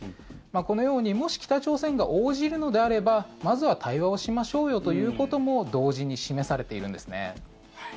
このようにもし北朝鮮が応じるのであればまずは対話をしましょうよということも同時に示されているんですね。